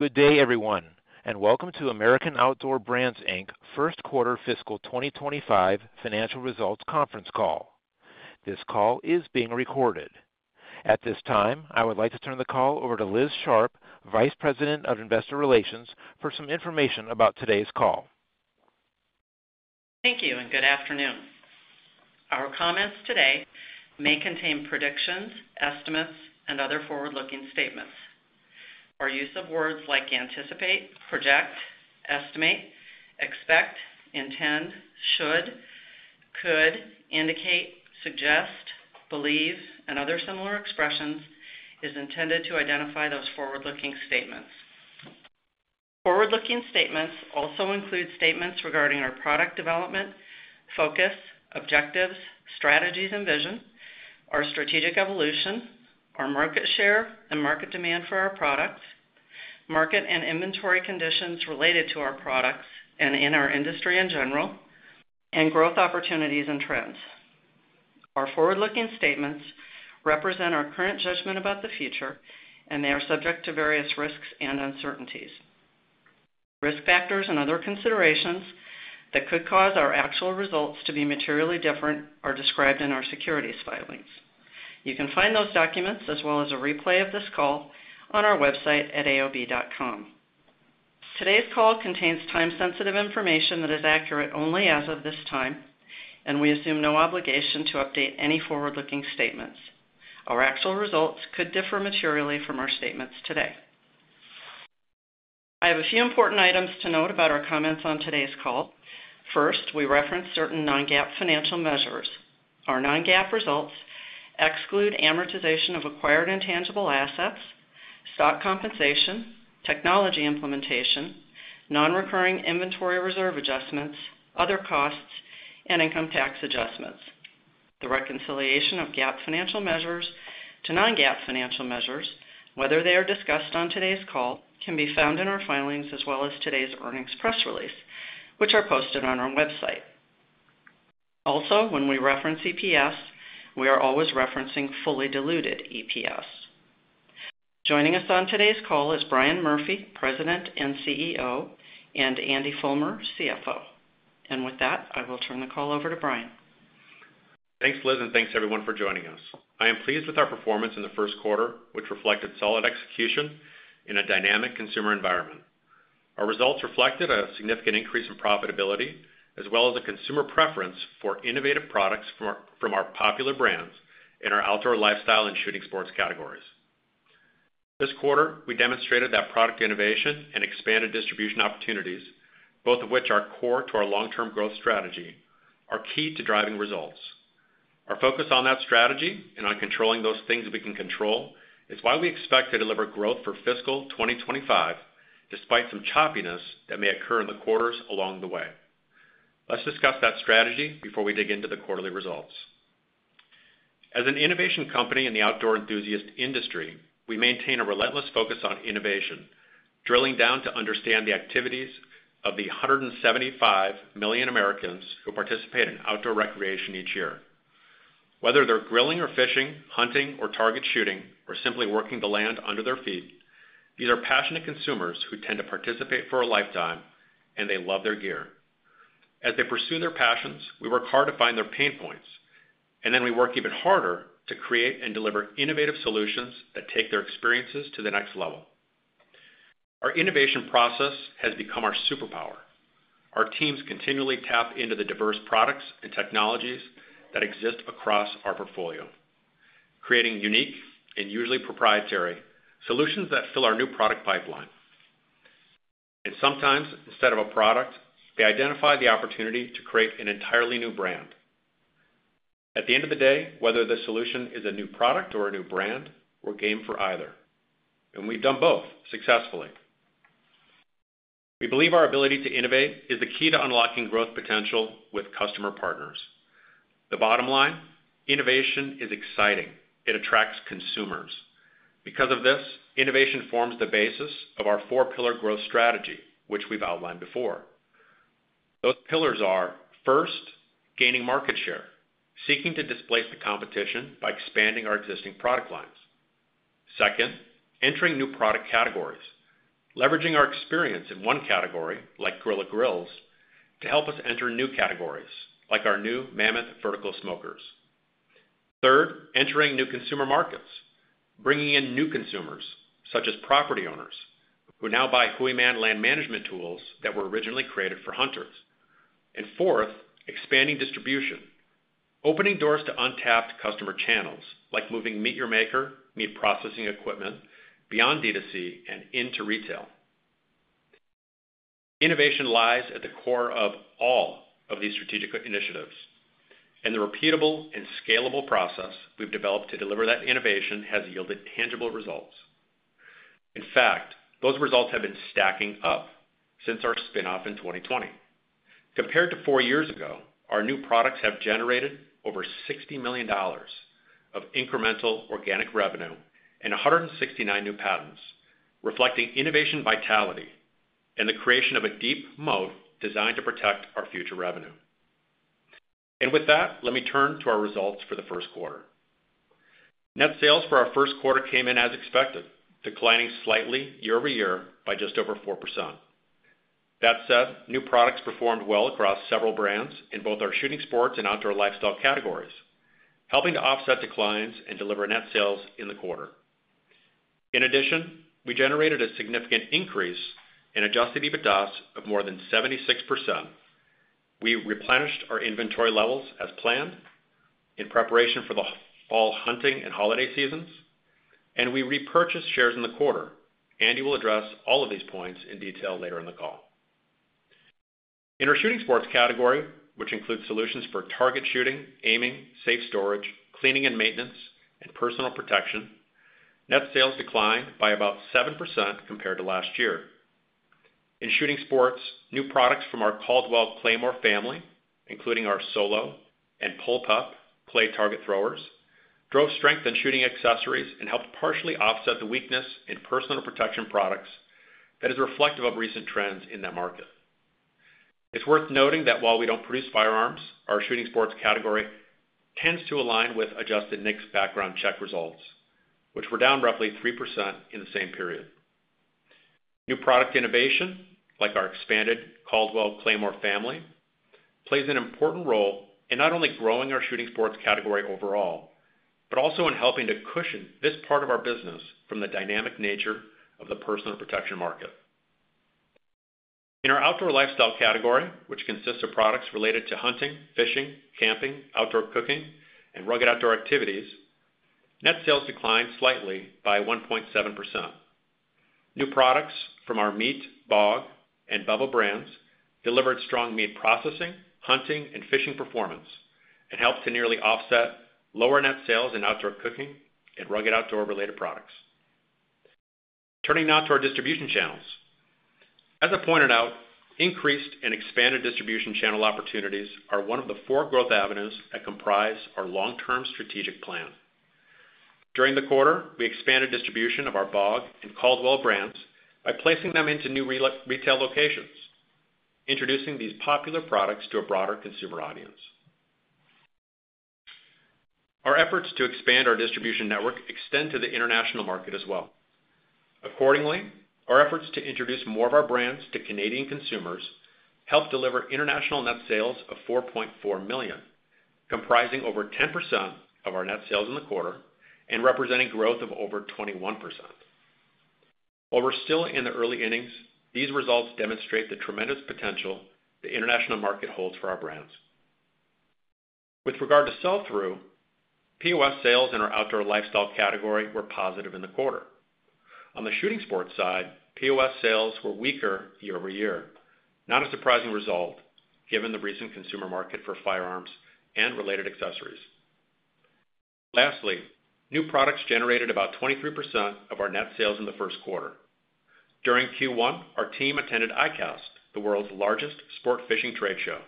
Good day, everyone, and welcome to American Outdoor Brands Inc. First Quarter Fiscal 2025 Financial Results Conference Call. This call is being recorded. At this time, I would like to turn the call over to Liz Sharp, Vice President of Investor Relations, for some information about today's call. Thank you, and good afternoon. Our comments today may contain predictions, estimates, and other forward-looking statements. Our use of words like anticipate, project, estimate, expect, intend, should, could, indicate, suggest, believe, and other similar expressions is intended to identify those forward-looking statements. Forward-looking statements also include statements regarding our product development, focus, objectives, strategies and vision, our strategic evolution, our market share and market demand for our products, market and inventory conditions related to our products and in our industry in general, and growth opportunities and trends. Our forward-looking statements represent our current judgment about the future, and they are subject to various risks and uncertainties. Risk factors and other considerations that could cause our actual results to be materially different are described in our securities filings. You can find those documents, as well as a replay of this call, on our website at aob.com. Today's call contains time-sensitive information that is accurate only as of this time, and we assume no obligation to update any forward-looking statements. Our actual results could differ materially from our statements today. I have a few important items to note about our comments on today's call. First, we reference certain non-GAAP financial measures. Our non-GAAP results exclude amortization of acquired intangible assets, stock compensation, technology implementation, non-recurring inventory reserve adjustments, other costs, and income tax adjustments. The reconciliation of GAAP financial measures to non-GAAP financial measures, whether they are discussed on today's call, can be found in our filings, as well as today's earnings press release, which are posted on our website. Also, when we reference EPS, we are always referencing fully diluted EPS. Joining us on today's call is Brian Murphy, President and CEO, and Andy Fulmer, CFO. With that, I will turn the call over to Brian. Thanks, Liz, and thanks everyone for joining us. I am pleased with our performance in the first quarter, which reflected solid execution in a dynamic consumer environment. Our results reflected a significant increase in profitability, as well as a consumer preference for innovative products from our popular brands in our outdoor lifestyle and shooting sports categories. This quarter, we demonstrated that product innovation and expanded distribution opportunities, both of which are core to our long-term growth strategy, are key to driving results. Our focus on that strategy and on controlling those things we can control is why we expect to deliver growth for fiscal 2025, despite some choppiness that may occur in the quarters along the way. Let's discuss that strategy before we dig into the quarterly results. As an innovation company in the outdoor enthusiast industry, we maintain a relentless focus on innovation, drilling down to understand the activities of the 175 million Americans who participate in outdoor recreation each year. Whether they're grilling or fishing, hunting or target shooting, or simply working the land under their feet, these are passionate consumers who tend to participate for a lifetime, and they love their gear. As they pursue their passions, we work hard to find their pain points, and then we work even harder to create and deliver innovative solutions that take their experiences to the next level. Our innovation process has become our superpower. Our teams continually tap into the diverse products and technologies that exist across our portfolio, creating unique and usually proprietary solutions that fill our new product pipeline. And sometimes, instead of a product, they identify the opportunity to create an entirely new brand. At the end of the day, whether the solution is a new product or a new brand, we're game for either, and we've done both successfully. We believe our ability to innovate is the key to unlocking growth potential with customer partners. The bottom line: innovation is exciting. It attracts consumers. Because of this, innovation forms the basis of our four-pillar growth strategy, which we've outlined before. Those pillars are, first, gaining market share, seeking to displace the competition by expanding our existing product lines. Second, entering new product categories, leveraging our experience in one category, like Grilla Grills, to help us enter new categories, like our new Mammoth vertical smokers. Third, entering new consumer markets, bringing in new consumers, such as property owners, who now buy Hooyman Land Management tools that were originally created for hunters. And fourth, expanding distribution, opening doors to untapped customer channels, like moving MEAT! Your Maker meat processing equipment beyond D2C and into retail. Innovation lies at the core of all of these strategic initiatives, and the repeatable and scalable process we've developed to deliver that innovation has yielded tangible results. In fact, those results have been stacking up since our spinoff in 2020. Compared to four years ago, our new products have generated over $60 million of incremental organic revenue and 169 new patents, reflecting innovation, vitality, and the creation of a deep moat designed to protect our future revenue... and with that, let me turn to our results for the first quarter. Net sales for our first quarter came in as expected, declining slightly year-over-year by just over 4%. That said, new products performed well across several brands in both our shooting sports and outdoor lifestyle categories, helping to offset declines and deliver net sales in the quarter. In addition, we generated a significant increase in Adjusted EBITDA of more than 76%. We replenished our inventory levels as planned in preparation for the fall hunting and holiday seasons, and we repurchased shares in the quarter. Andy will address all of these points in detail later in the call. In our shooting sports category, which includes solutions for target shooting, aiming, safe storage, cleaning and maintenance, and personal protection, net sales declined by about 7% compared to last year. In shooting sports, new products from our Caldwell Claymore family, including our Solo and Pull Pup clay target throwers, drove strength in shooting accessories and helped partially offset the weakness in personal protection products that is reflective of recent trends in that market. It's worth noting that while we don't produce firearms, our shooting sports category tends to align with adjusted NICS background check results, which were down roughly 3% in the same period. New product innovation, like our expanded Caldwell Claymore family, plays an important role in not only growing our shooting sports category overall, but also in helping to cushion this part of our business from the dynamic nature of the personal protection market. In our outdoor lifestyle category, which consists of products related to hunting, fishing, camping, outdoor cooking, and rugged outdoor activities, net sales declined slightly by 1.7%. New products from our MEAT!, BOG, and Bubba brands delivered strong meat processing, hunting, and fishing performance, and helped to nearly offset lower net sales in outdoor cooking and rugged outdoor-related products. Turning now to our distribution channels. As I pointed out, increased and expanded distribution channel opportunities are one of the four growth avenues that comprise our long-term strategic plan. During the quarter, we expanded distribution of our BOG and Caldwell brands by placing them into new retail locations, introducing these popular products to a broader consumer audience. Our efforts to expand our distribution network extend to the international market as well. Accordingly, our efforts to introduce more of our brands to Canadian consumers helped deliver international net sales of $4.4 million, comprising over 10% of our net sales in the quarter and representing growth of over 21%. While we're still in the early innings, these results demonstrate the tremendous potential the international market holds for our brands. With regard to sell-through, POS sales in our outdoor lifestyle category were positive in the quarter. On the shooting sports side, POS sales were weaker year-over-year. Not a surprising result, given the recent consumer market for firearms and related accessories. Lastly, new products generated about 23% of our net sales in the first quarter. During Q1, our team attended ICAST, the world's largest sport fishing trade show.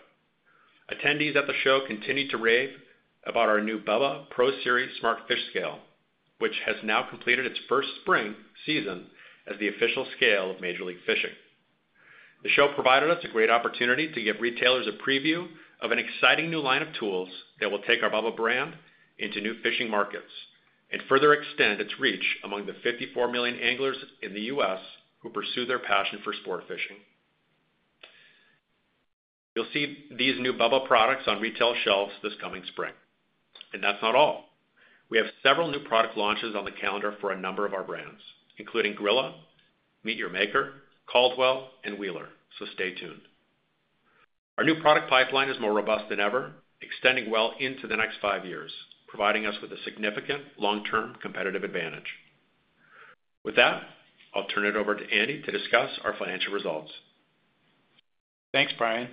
Attendees at the show continued to rave about our new Bubba Pro Series Smart Fish Scale, which has now completed its first spring season as the official scale of Major League Fishing. The show provided us a great opportunity to give retailers a preview of an exciting new line of tools that will take our Bubba brand into new fishing markets and further extend its reach among the 54 million anglers in the U.S. who pursue their passion for sport fishing. You'll see these new Bubba products on retail shelves this coming spring. And that's not all. We have several new product launches on the calendar for a number of our brands, including Grilla, MEAT! Your Maker, Caldwell, and Wheeler, so stay tuned. Our new product pipeline is more robust than ever, extending well into the next five years, providing us with a significant long-term competitive advantage. With that, I'll turn it over to Andy to discuss our financial results. Thanks, Brian.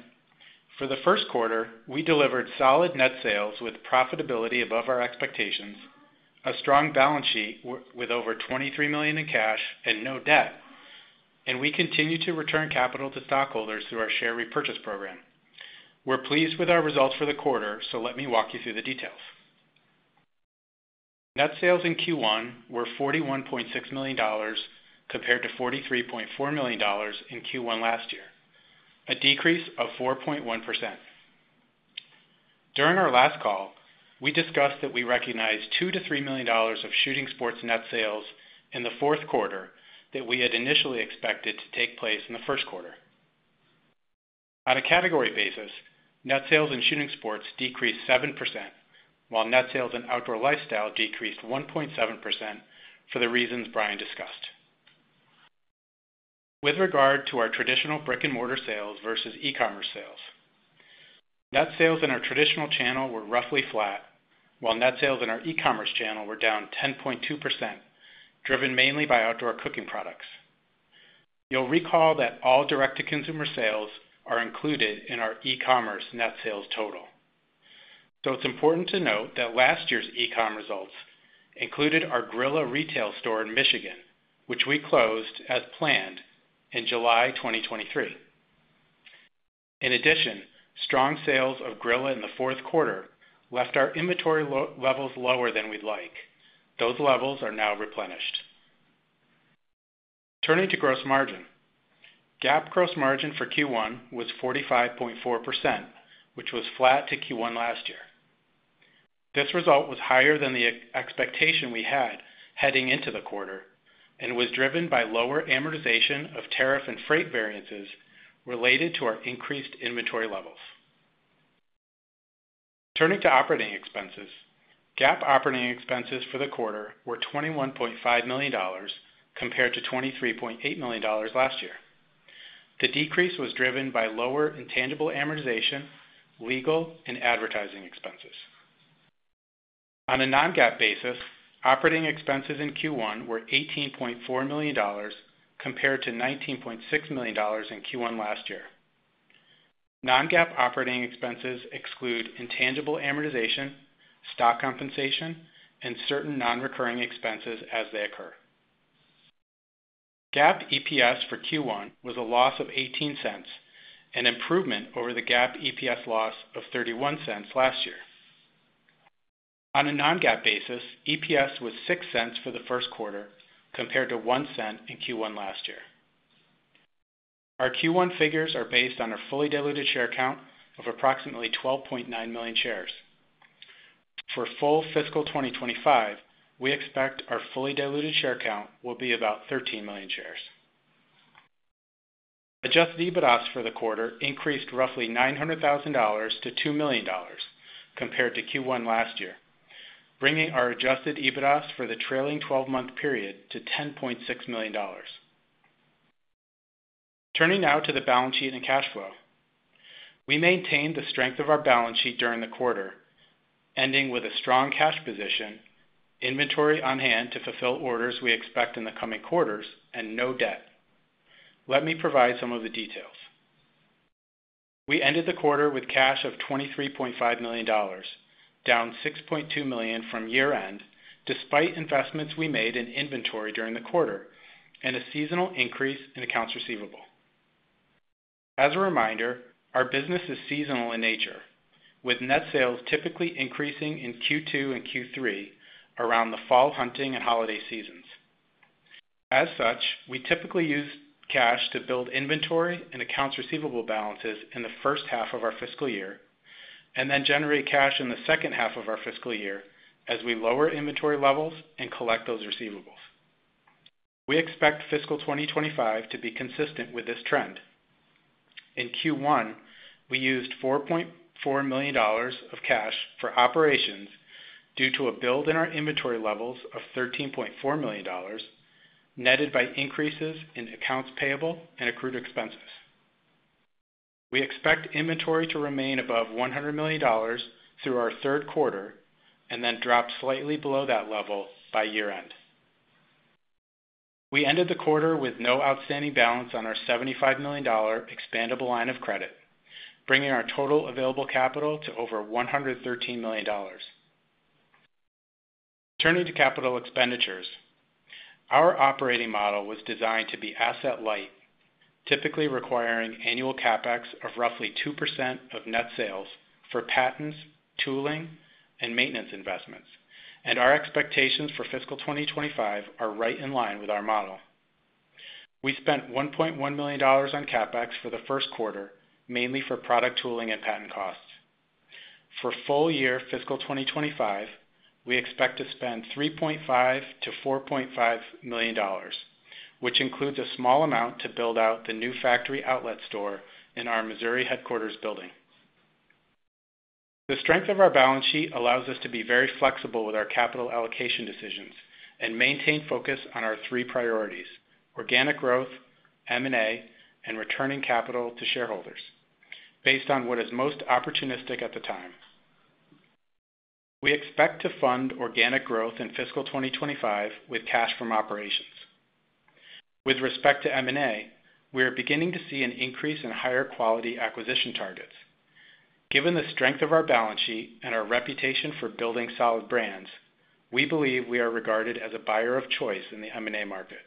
For the first quarter, we delivered solid net sales with profitability above our expectations, a strong balance sheet with over $23 million in cash and no debt, and we continue to return capital to stockholders through our share repurchase program. We're pleased with our results for the quarter, so let me walk you through the details. Net sales in Q1 were $41.6 million, compared to $43.4 million in Q1 last year, a decrease of 4.1%. During our last call, we discussed that we recognized $2 million to $3 million of shooting sports net sales in the fourth quarter that we had initially expected to take place in the first quarter. On a category basis, net sales in shooting sports decreased 7%, while net sales in outdoor lifestyle decreased 1.7% for the reasons Brian discussed. With regard to our traditional brick-and-mortar sales versus e-commerce sales, net sales in our traditional channel were roughly flat, while net sales in our e-commerce channel were down 10.2%, driven mainly by outdoor cooking products. You'll recall that all direct-to-consumer sales are included in our e-commerce net sales total. So it's important to note that last year's e-com results included our Grilla retail store in Michigan, which we closed as planned in July 2023. In addition, strong sales of Grilla in the fourth quarter left our inventory levels lower than we'd like. Those levels are now replenished. Turning to gross margin. GAAP gross margin for Q1 was 45.4%, which was flat to Q1 last year. This result was higher than the expectation we had heading into the quarter, and was driven by lower amortization of tariff and freight variances related to our increased inventory levels. Turning to operating expenses. GAAP operating expenses for the quarter were $21.5 million, compared to $23.8 million last year. The decrease was driven by lower intangible amortization, legal, and advertising expenses. On a non-GAAP basis, operating expenses in Q1 were $18.4 million, compared to $19.6 million in Q1 last year. Non-GAAP operating expenses exclude intangible amortization, stock compensation, and certain non-recurring expenses as they occur. GAAP EPS for Q1 was a loss of $0.18, an improvement over the GAAP EPS loss of $0.31 last year. On a non-GAAP basis, EPS was $0.06 for the first quarter, compared to $0.01 in Q1 last year. Our Q1 figures are based on a fully diluted share count of approximately 12.9 million shares. For full fiscal 2025, we expect our fully diluted share count will be about 13 million shares. Adjusted EBITDAS for the quarter increased roughly $900,000 to $2 million compared to Q1 last year, bringing our adjusted EBITDAS for the trailing 12-month period to $10.6 million. Turning now to the balance sheet and cash flow. We maintained the strength of our balance sheet during the quarter, ending with a strong cash position, inventory on hand to fulfill orders we expect in the coming quarters, and no debt. Let me provide some of the details. We ended the quarter with cash of $23.5 million, down $6.2 million from year-end, despite investments we made in inventory during the quarter, and a seasonal increase in accounts receivable. As a reminder, our business is seasonal in nature, with net sales typically increasing in Q2 and Q3 around the fall hunting and holiday seasons. As such, we typically use cash to build inventory and accounts receivable balances in the first half of our fiscal year, and then generate cash in the second half of our fiscal year as we lower inventory levels and collect those receivables. We expect fiscal 2025 to be consistent with this trend. In Q1, we used $4.4 million of cash for operations due to a build in our inventory levels of $13.4 million, netted by increases in accounts payable and accrued expenses. We expect inventory to remain above $100 million through our third quarter, and then drop slightly below that level by year-end. We ended the quarter with no outstanding balance on our $75 million expandable line of credit, bringing our total available capital to over $113 million. Turning to capital expenditures. Our operating model was designed to be asset light, typically requiring annual CapEx of roughly 2% of net sales for patents, tooling, and maintenance investments, and our expectations for fiscal 2025 are right in line with our model. We spent $1.1 million on CapEx for the first quarter, mainly for product tooling and patent costs. For full year fiscal 2025, we expect to spend $3.5 million-$4.5 million, which includes a small amount to build out the new factory outlet store in our Missouri headquarters building. The strength of our balance sheet allows us to be very flexible with our capital allocation decisions and maintain focus on our three priorities: organic growth, M&A, and returning capital to shareholders, based on what is most opportunistic at the time. We expect to fund organic growth in fiscal 2025 with cash from operations. With respect to M&A, we are beginning to see an increase in higher quality acquisition targets. Given the strength of our balance sheet and our reputation for building solid brands, we believe we are regarded as a buyer of choice in the M&A market.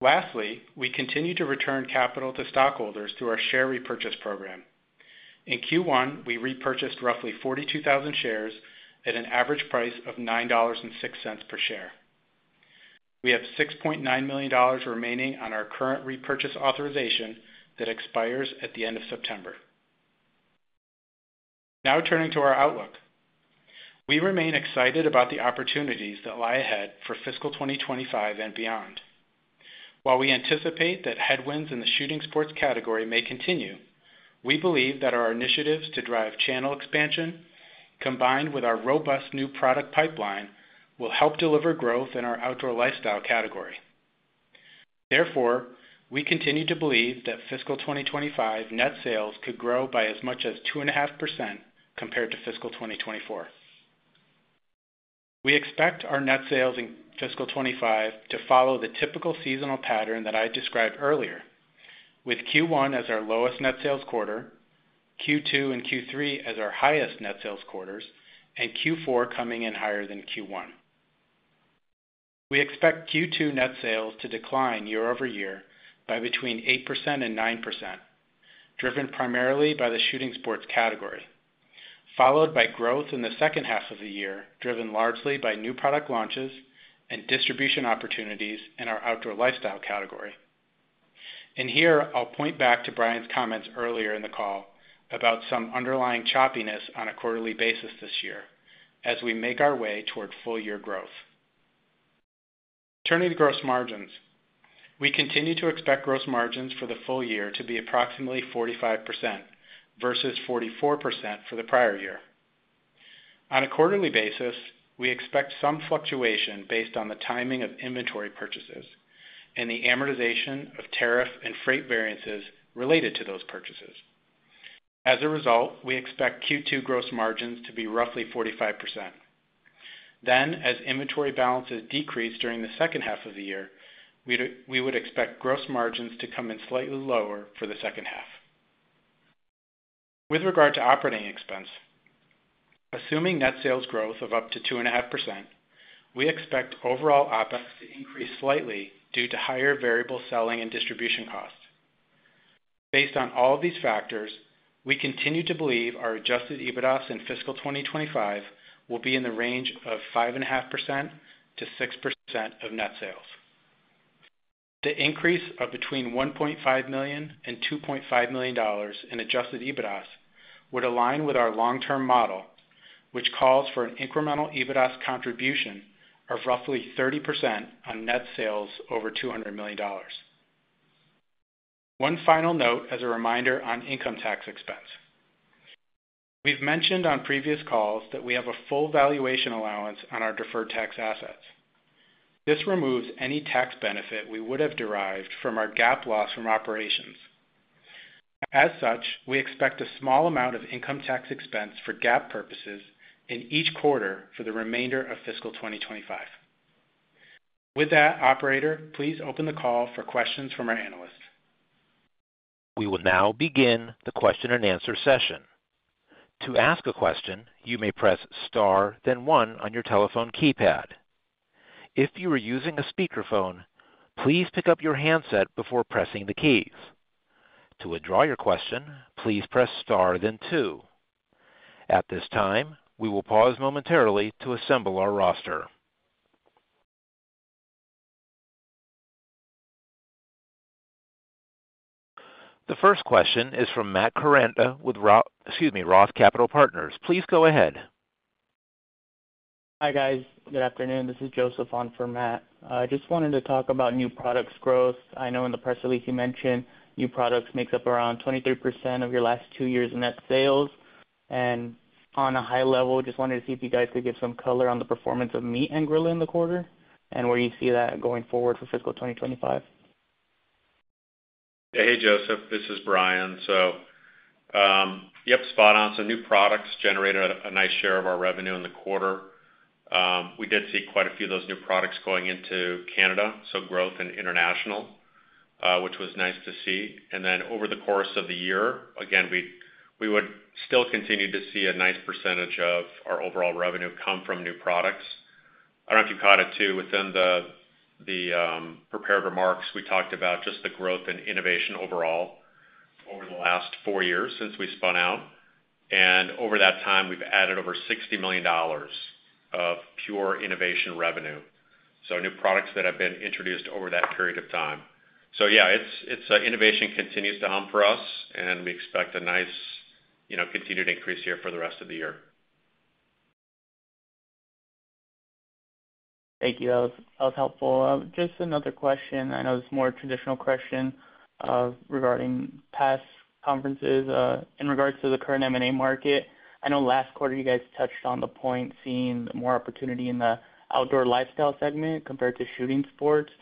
Lastly, we continue to return capital to stockholders through our share repurchase program. In Q1, we repurchased roughly 42,000 shares at an average price of $9.06 per share. We have $6.9 million remaining on our current repurchase authorization that expires at the end of September. Now turning to our outlook. We remain excited about the opportunities that lie ahead for fiscal 2025 and beyond. While we anticipate that headwinds in the shooting sports category may continue, we believe that our initiatives to drive channel expansion, combined with our robust new product pipeline, will help deliver growth in our outdoor lifestyle category. Therefore, we continue to believe that fiscal 2025 net sales could grow by as much as 2.5% compared to fiscal 2024. We expect our net sales in fiscal 2025 to follow the typical seasonal pattern that I described earlier, with Q1 as our lowest net sales quarter, Q2 and Q3 as our highest net sales quarters, and Q4 coming in higher than Q1. We expect Q2 net sales to decline year over year by between 8% and 9%, driven primarily by the shooting sports category, followed by growth in the second half of the year, driven largely by new product launches and distribution opportunities in our outdoor lifestyle category. And here, I'll point back to Brian's comments earlier in the call about some underlying choppiness on a quarterly basis this year as we make our way toward full-year growth. Turning to gross margins. We continue to expect gross margins for the full year to be approximately 45% versus 44% for the prior year. On a quarterly basis, we expect some fluctuation based on the timing of inventory purchases and the amortization of tariff and freight variances related to those purchases. As a result, we expect Q2 gross margins to be roughly 45%. Then, as inventory balances decrease during the second half of the year, we would expect gross margins to come in slightly lower for the second half. With regard to operating expense, assuming net sales growth of up to 2.5%, we expect overall OpEx to increase slightly due to higher variable selling and distribution costs. Based on all of these factors, we continue to believe our adjusted EBITDAS in fiscal 2025 will be in the range of 5.5%-6% of net sales. The increase of between $1.5 million and $2.5 million in adjusted EBITDAS would align with our long-term model, which calls for an incremental EBITDAS contribution of roughly 30% on net sales over $200 million. One final note as a reminder on income tax expense. We've mentioned on previous calls that we have a full valuation allowance on our deferred tax assets. This removes any tax benefit we would have derived from our GAAP loss from operations. As such, we expect a small amount of income tax expense for GAAP purposes in each quarter for the remainder of fiscal 2025. With that, operator, please open the call for questions from our analysts. We will now begin the question and answer session. To ask a question, you may press star, then one on your telephone keypad. If you are using a speakerphone, please pick up your handset before pressing the keys. To withdraw your question, please press star, then two. At this time, we will pause momentarily to assemble our roster. The first question is from Matt Koranda with Ro- excuse me, Roth Capital Partners. Please go ahead. Hi, guys. Good afternoon. This is Joseph on for Matt. I just wanted to talk about new products growth. I know in the press release, you mentioned new products makes up around 23% of your last two years' net sales. And on a high level, just wanted to see if you guys could give some color on the performance of MEAT! and Grilla in the quarter and where you see that going forward for fiscal 2025? Hey, Joseph, this is Brian. So, yep, spot on. So new products generated a nice share of our revenue in the quarter. We did see quite a few of those new products going into Canada, so growth in international, which was nice to see. And then over the course of the year, again, we would still continue to see a nice percentage of our overall revenue come from new products. I don't know if you caught it, too, within the prepared remarks, we talked about just the growth and innovation overall over the last four years since we spun out, and over that time, we've added over $60 million of pure innovation revenue. So new products that have been introduced over that period of time. So yeah, it's innovation continues to hum for us, and we expect a nice, you know, continued increase here for the rest of the year. Thank you. That was, that was helpful. Just another question. I know this is a more traditional question, regarding past conferences, in regards to the current M&A market. I know last quarter you guys touched on the point, seeing more opportunity in the outdoor lifestyle segment compared to shooting sports.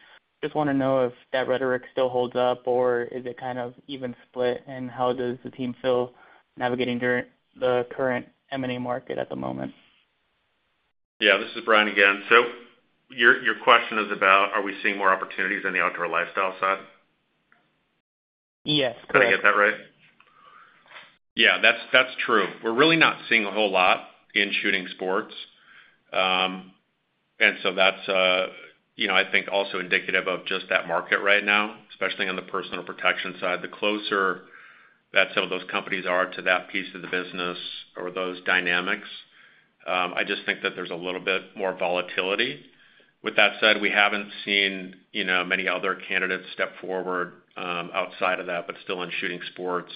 Just wanna know if that rhetoric still holds up, or is it kind of even split, and how does the team feel navigating during the current M&A market at the moment? Yeah, this is Brian again. So your question is about are we seeing more opportunities in the outdoor lifestyle side? Yes, correct. Did I get that right? Yeah, that's, that's true. We're really not seeing a whole lot in shooting sports, and so that's, you know, I think also indicative of just that market right now, especially on the personal protection side. The closer that some of those companies are to that piece of the business or those dynamics, I just think that there's a little bit more volatility. With that said, we haven't seen, you know, many other candidates step forward, outside of that, but still in shooting sports.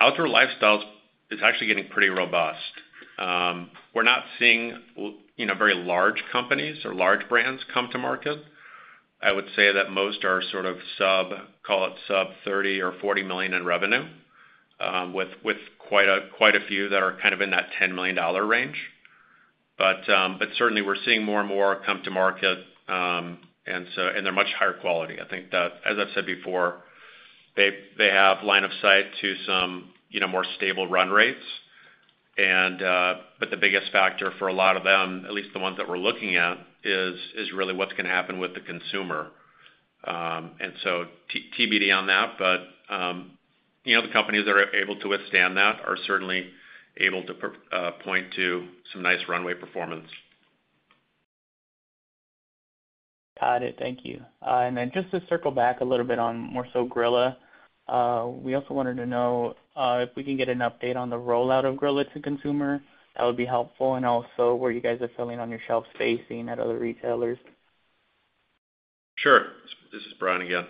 Outdoor lifestyles is actually getting pretty robust. We're not seeing, you know, very large companies or large brands come to market. I would say that most are sort of sub, call it sub-$30 or $40 million in revenue, with quite a few that are kind of in that $10 million range. Certainly we're seeing more and more come to market, and so and they're much higher quality. I think that, as I've said before, they have line of sight to some, you know, more stable run rates, but the biggest factor for a lot of them, at least the ones that we're looking at, is really what's gonna happen with the consumer. So TBD on that, but you know, the companies that are able to withstand that are certainly able to point to some nice runway performance.... Got it. Thank you. And then just to circle back a little bit on more so Grilla, we also wanted to know, if we can get an update on the rollout of Grilla to consumer, that would be helpful, and also where you guys are filling on your shelf spacing at other retailers? Sure. This is Brian again.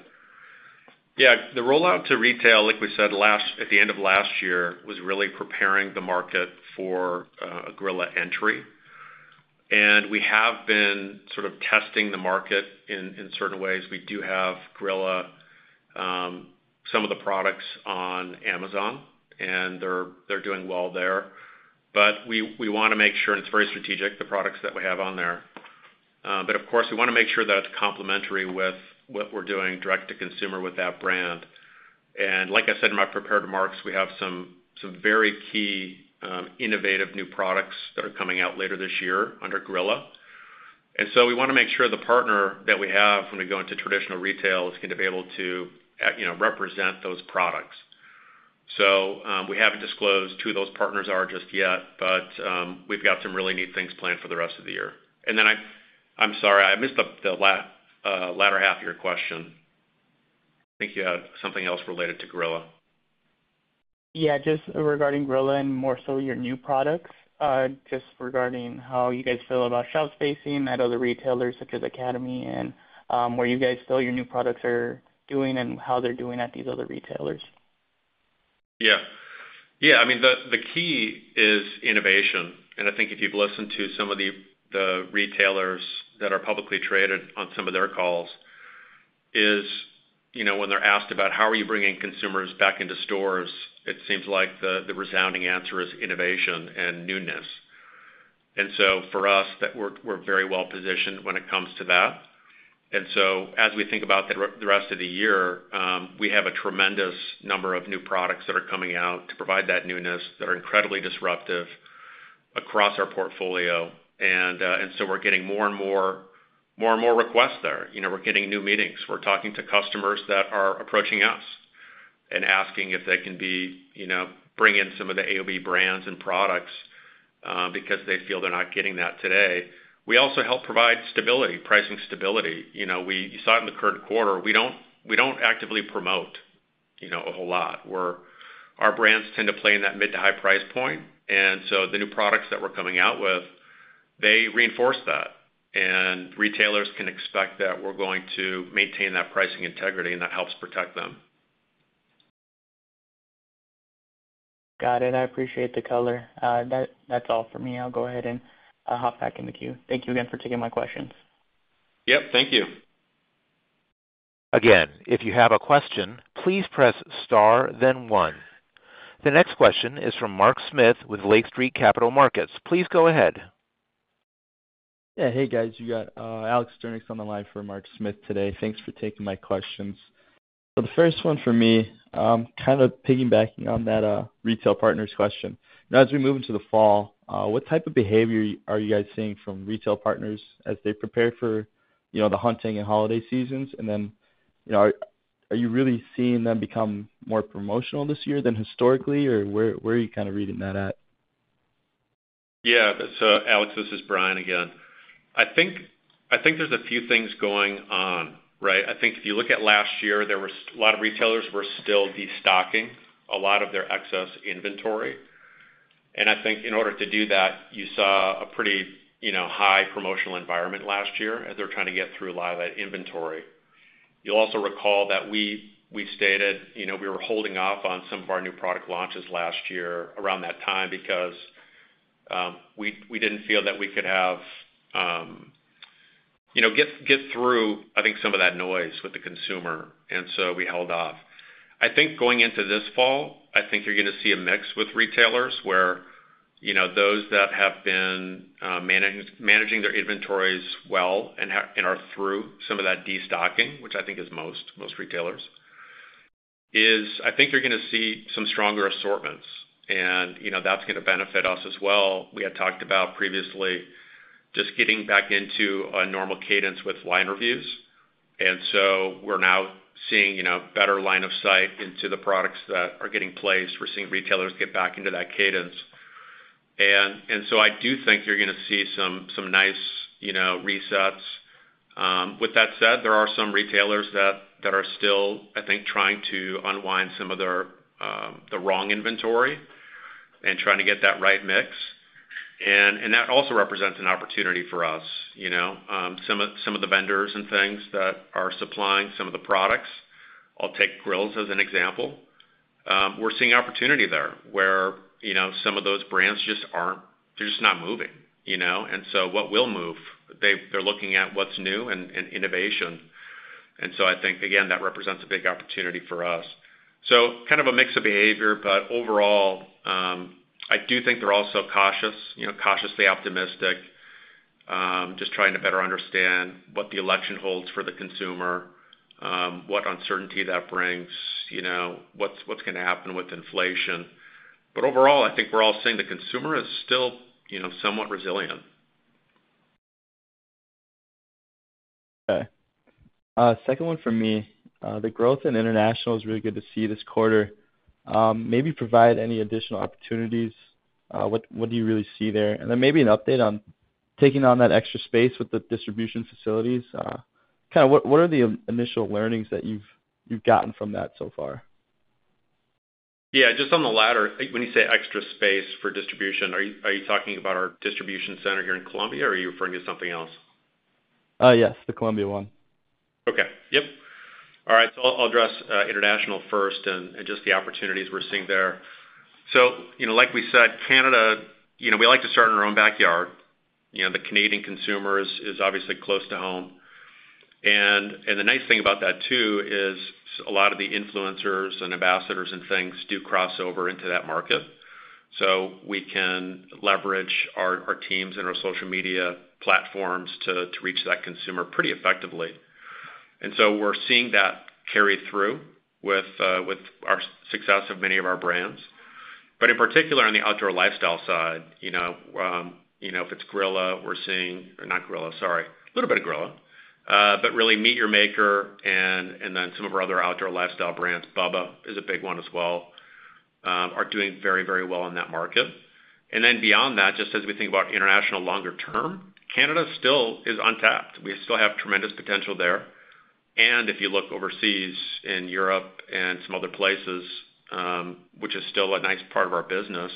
Yeah, the rollout to retail, like we said last, at the end of last year, was really preparing the market for a Grilla entry. And we have been sort of testing the market in certain ways. We do have Grilla some of the products on Amazon, and they're doing well there. But we wanna make sure, and it's very strategic, the products that we have on there. But of course, we wanna make sure that it's complementary with what we're doing direct to consumer with that brand. And like I said in my prepared remarks, we have some very key innovative new products that are coming out later this year under Grilla. And so we wanna make sure the partner that we have when we go into traditional retail is going to be able to, you know, represent those products. So, we haven't disclosed who those partners are just yet, but, we've got some really neat things planned for the rest of the year. And then I'm sorry, I missed the latter half of your question. I think you had something else related to Grilla. Yeah, just regarding Grilla and more so your new products, how you guys feel about shelf spacing at other retailers, such as Academy, and where you guys feel your new products are doing and how they're doing at these other retailers? Yeah. Yeah, I mean, the key is innovation, and I think if you've listened to some of the retailers that are publicly traded on some of their calls, you know, when they're asked about how are you bringing consumers back into stores, it seems like the resounding answer is innovation and newness. And so for us, that we're very well positioned when it comes to that. And so as we think about the rest of the year, we have a tremendous number of new products that are coming out to provide that newness, that are incredibly disruptive across our portfolio. And so we're getting more and more, more and more requests there. You know, we're getting new meetings. We're talking to customers that are approaching us and asking if they can be, you know, bring in some of the AOB brands and products, because they feel they're not getting that today. We also help provide stability, pricing stability. You know, we—you saw it in the current quarter. We don't actively promote, you know, a whole lot, where our brands tend to play in that mid to high price point. And so the new products that we're coming out with, they reinforce that, and retailers can expect that we're going to maintain that pricing integrity, and that helps protect them. Got it. I appreciate the color. That's all for me. I'll go ahead and hop back in the queue. Thank you again for taking my questions. Yep, thank you. Again, if you have a question, please press star, then one. The next question is from Mark Smith with Lake Street Capital Markets. Please go ahead. Yeah. Hey, guys, you got, Alex Sturnieks on the line for Mark Smith today. Thanks for taking my questions. So the first one for me, kind of piggybacking on that, retail partners question. Now, as we move into the fall, what type of behavior are you guys seeing from retail partners as they prepare for, you know, the hunting and holiday seasons? And then, you know, are you really seeing them become more promotional this year than historically, or where are you kind of reading that at? Yeah. So Alex, this is Brian again. I think, I think there's a few things going on, right? I think if you look at last year, there was a lot of retailers were still destocking a lot of their excess inventory. And I think in order to do that, you saw a pretty, you know, high promotional environment last year as they're trying to get through a lot of that inventory. You'll also recall that we stated, you know, we were holding off on some of our new product launches last year around that time because we didn't feel that we could have, you know, get through, I think, some of that noise with the consumer, and so we held off. I think going into this fall, I think you're gonna see a mix with retailers where, you know, those that have been managing their inventories well and are through some of that destocking, which I think is most retailers. I think you're gonna see some stronger assortments, and, you know, that's gonna benefit us as well. We had talked about previously just getting back into a normal cadence with line reviews, and so we're now seeing, you know, better line of sight into the products that are getting placed. We're seeing retailers get back into that cadence. And so I do think you're gonna see some nice, you know, resets. With that said, there are some retailers that are still, I think, trying to unwind some of their the wrong inventory and trying to get that right mix. That also represents an opportunity for us, you know? Some of the vendors and things that are supplying some of the products, I'll take grills as an example, we're seeing opportunity there, where, you know, some of those brands just aren't... They're just not moving, you know? And so what will move? They're looking at what's new and innovation. And so I think, again, that represents a big opportunity for us. So kind of a mix of behavior, but overall, I do think they're also cautious, you know, cautiously optimistic, just trying to better understand what the election holds for the consumer, what uncertainty that brings, you know, what's gonna happen with inflation. But overall, I think we're all seeing the consumer is still, you know, somewhat resilient. Okay. Second one for me. The growth in international is really good to see this quarter. Maybe provide any additional opportunities. What do you really see there? And then maybe an update on taking on that extra space with the distribution facilities. Kind of what are the initial learnings that you've gotten from that so far? Yeah, just on the latter, I think when you say extra space for distribution, are you talking about our distribution center here in Columbia, or are you referring to something else? Yes, the Columbia one. Okay. Yep. All right. So I'll, I'll address international first and, and just the opportunities we're seeing there. So, you know, like we said, Canada, you know, we like to start in our own backyard. You know, the Canadian consumer is, is obviously close to home. And, and the nice thing about that, too, is a lot of the influencers and ambassadors and things do cross over into that market. So we can leverage our, our teams and our social media platforms to, to reach that consumer pretty effectively. And so we're seeing that carry through with our success of many of our brands. But in particular, on the outdoor lifestyle side, you know, you know, if it's Grilla, we're seeing or not Grilla, sorry, a little bit of Grilla. But really MEAT! Your Maker and then some of our other outdoor lifestyle brands, Bubba is a big one as well, are doing very, very well in that market. And then beyond that, just as we think about international longer term, Canada still is untapped. We still have tremendous potential there. And if you look overseas in Europe and some other places, which is still a nice part of our business,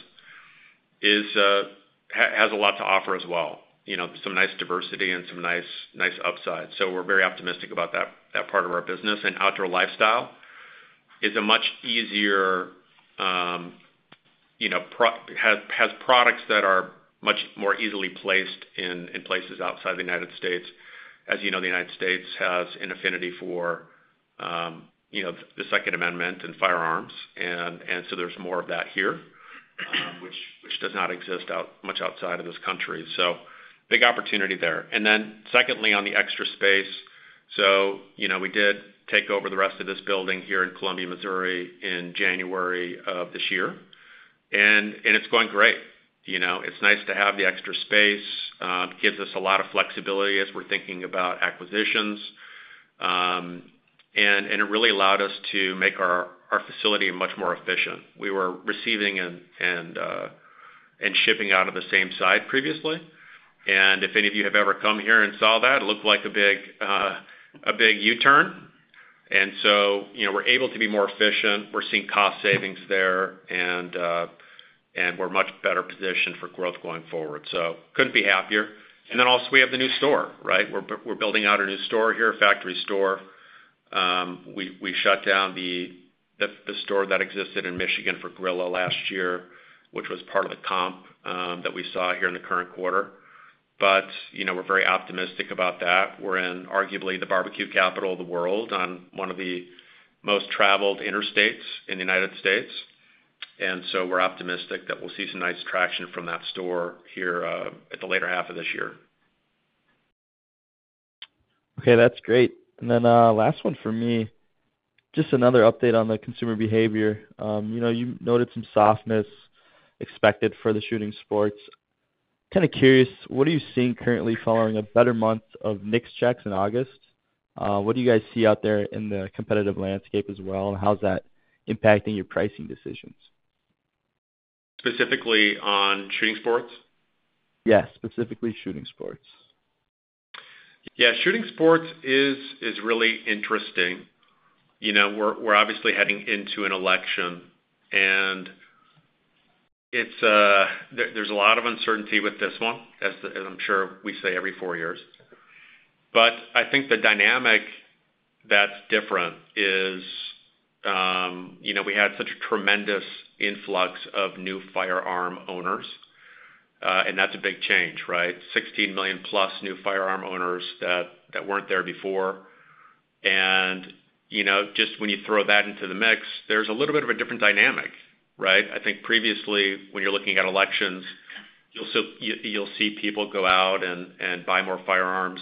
has a lot to offer as well, you know, some nice diversity and some nice upside. So we're very optimistic about that part of our business. And outdoor lifestyle is a much easier, you know, has products that are much more easily placed in places outside the United States. As you know, the United States has an affinity for, you know, the Second Amendment and firearms, and so there's more of that here, which does not exist much outside of this country. So big opportunity there. Then, secondly, on the extra space. So, you know, we did take over the rest of this building here in Columbia, Missouri, in January of this year, and it's going great. You know, it's nice to have the extra space, gives us a lot of flexibility as we're thinking about acquisitions. And it really allowed us to make our facility much more efficient. We were receiving and shipping out of the same site previously, and if any of you have ever come here and saw that, it looked like a big U-turn. And so, you know, we're able to be more efficient. We're seeing cost savings there, and we're much better positioned for growth going forward, so couldn't be happier. And then also, we have the new store, right? We're building out a new store here, a factory store. We shut down the store that existed in Michigan for Grilla last year, which was part of the comp that we saw here in the current quarter. But, you know, we're very optimistic about that. We're in, arguably, the barbecue capital of the world on one of the most traveled interstates in the United States, and so we're optimistic that we'll see some nice traction from that store here at the latter half of this year. Okay, that's great. And then, last one for me. Just another update on the consumer behavior. You know, you noted some softness expected for the shooting sports. Kind of curious, what are you seeing currently following a better month of NICS checks in August? What do you guys see out there in the competitive landscape as well, and how's that impacting your pricing decisions? Specifically on shooting sports? Yes, specifically shooting sports. Yeah, shooting sports is really interesting. You know, we're obviously heading into an election, and it's. There's a lot of uncertainty with this one, as I'm sure we say every four years. But I think the dynamic that's different is, you know, we had such a tremendous influx of new firearm owners, and that's a big change, right? 16+ million-plus new firearm owners that weren't there before. And, you know, just when you throw that into the mix, there's a little bit of a different dynamic, right? I think previously, when you're looking at elections, you'll see people go out and buy more firearms,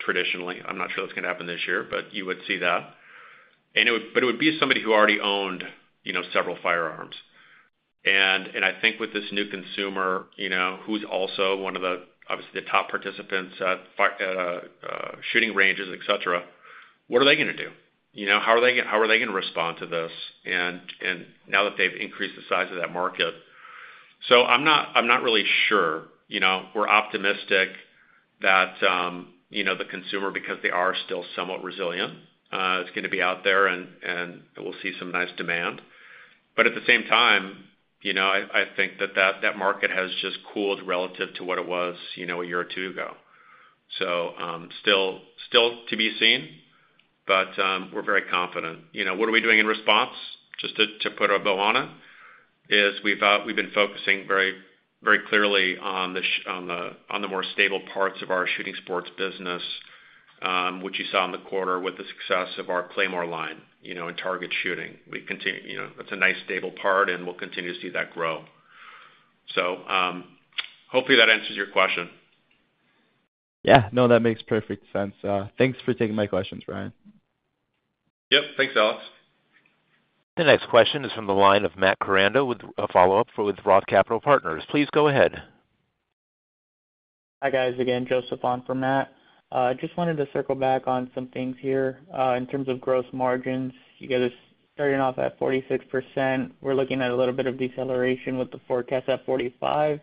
traditionally. I'm not sure that's going to happen this year, but you would see that. But it would be somebody who already owned, you know, several firearms. I think with this new consumer, you know, who's also one of the, obviously, the top participants at shooting ranges, et cetera. What are they gonna do? You know, how are they gonna respond to this? Now that they've increased the size of that market. So I'm not really sure. You know, we're optimistic that, you know, the consumer, because they are still somewhat resilient, is gonna be out there and we'll see some nice demand. But at the same time, you know, I think that market has just cooled relative to what it was, you know, a year or two ago. So, still to be seen, but we're very confident. You know, what are we doing in response? Just to put a bow on it, it's we've been focusing very, very clearly on the more stable parts of our shooting sports business, which you saw in the quarter with the success of our Claymore line, you know, in target shooting. You know, that's a nice, stable part, and we'll continue to see that grow. So, hopefully, that answers your question. Yeah. No, that makes perfect sense. Thanks for taking my questions, Brian. Yep. Thanks, Alex. The next question is from the line of Matt Koranda with Roth Capital Partners. Please go ahead.... Hi, guys. Again, Joseph on from Matt. Just wanted to circle back on some things here. In terms of gross margins, you guys are starting off at 46%. We're looking at a little bit of deceleration with the forecast at 45%.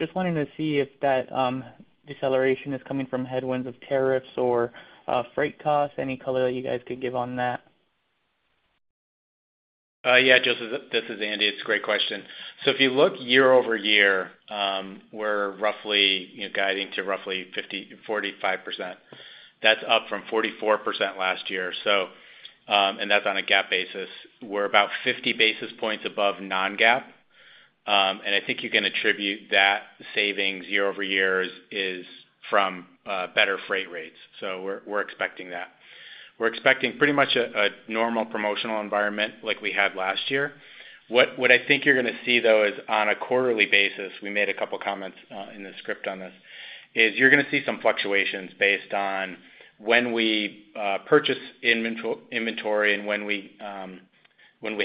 Just wanting to see if that deceleration is coming from headwinds of tariffs or freight costs. Any color you guys could give on that? Yeah, Joseph, this is Andy. It's a great question. So if you look year over year, we're roughly, you know, guiding to roughly 45%. That's up from 44% last year. So, and that's on a GAAP basis. We're about 50 basis points above non-GAAP. And I think you can attribute that savings year over year is from better freight rates. So we're expecting that. We're expecting pretty much a normal promotional environment like we had last year. What I think you're gonna see, though, is on a quarterly basis. We made a couple comments in the script on this. You're gonna see some fluctuations based on when we purchase inventory and when we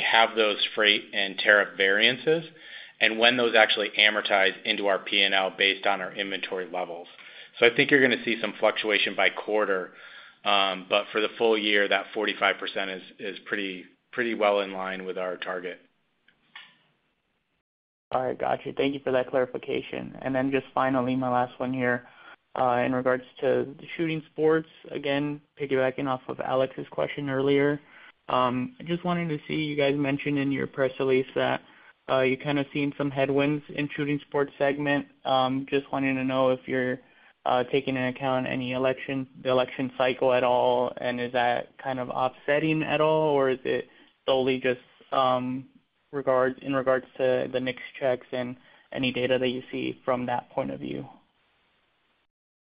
have those freight and tariff variances, and when those actually amortize into our P&L based on our inventory levels. So I think you're gonna see some fluctuation by quarter, but for the full year, that 45% is pretty well in line with our target. All right. Gotcha. Thank you for that clarification. And then just finally, my last one here. In regards to the shooting sports, again, piggybacking off of Alex's question earlier, just wanting to see, you guys mentioned in your press release that, you're kind of seeing some headwinds in shooting sports segment. Just wanting to know if you're taking into account any election, the election cycle at all, and is that kind of offsetting at all, or is it solely just in regards to the mix checks and any data that you see from that point of view?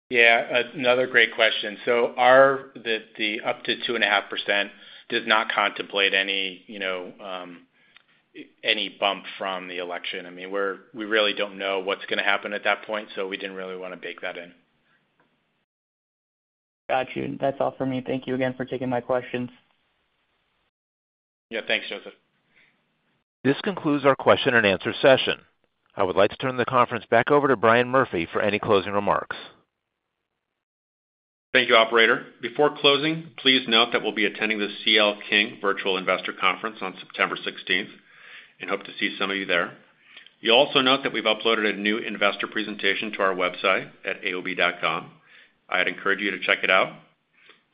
Yeah, another great question, so our up to 2.5% does not contemplate any, you know, any bump from the election. I mean, we really don't know what's gonna happen at that point, so we didn't really wanna bake that in. Got you. That's all for me. Thank you again for taking my questions. Yeah. Thanks, Joseph. This concludes our question and answer session. I would like to turn the conference back over to Brian Murphy for any closing remarks. Thank you, operator. Before closing, please note that we'll be attending the CL King Virtual Investor Conference on September sixteenth, and hope to see some of you there. You'll also note that we've uploaded a new investor presentation to our website at aob.com. I'd encourage you to check it out.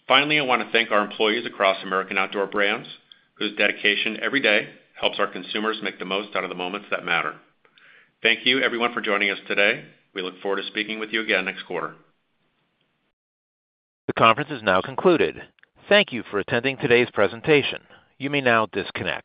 Finally, I wanna thank our employees across American Outdoor Brands, whose dedication every day helps our consumers make the most out of the moments that matter. Thank you, everyone, for joining us today. We look forward to speaking with you again next quarter. The conference is now concluded. Thank you for attending today's presentation. You may now disconnect.